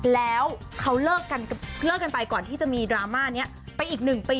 แล้วเขาเลิกกันไปก่อนที่จะมีดราม่านี้ไปอีก๑ปี